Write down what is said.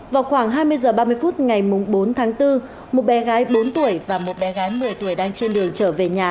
vào khoảng hai mươi h ba mươi phút ngày bốn tháng bốn một bé gái bốn tuổi và một bé gái một mươi tuổi đang trên đường trở về nhà